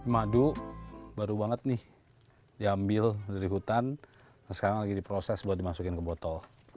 madu baru banget nih diambil dari hutan sekarang lagi diproses buat dimasukin ke botol